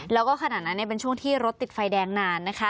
แล้วก็ขณะนั้นเป็นช่วงที่รถติดไฟแดงนานนะคะ